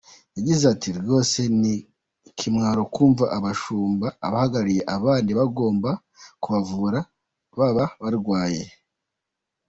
Yagize ati “Rwose ni ikimwaro kumva ko abashumba, abahagarariye abandi bagomba kubavura baba barwaye.